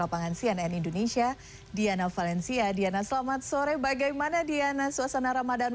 lapangan cnn indonesia diana valencia diana selamat sore bagaimana diana suasana ramadan